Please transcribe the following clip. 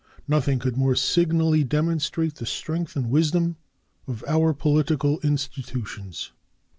Nothing could more signally demonstrate the strength and wisdom of our political institutions.